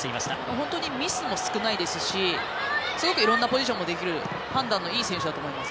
本当にミスも少ないですしすごくいろんなポジションもできる判断のいい選手だと思います。